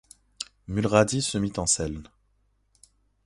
Mulrady se mit en selle.